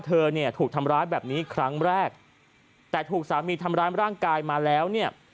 เธอเนี่ยถูกทำร้ายแบบนี้ครั้งแรกแต่ถูกสามีทำร้ายร่างกายมาแล้วเนี่ย